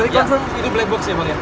iya itu black box ya